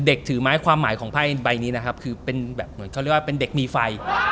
ถือไม้ความหมายของไพ่ใบนี้นะครับคือเป็นแบบเหมือนเขาเรียกว่าเป็นเด็กมีไฟ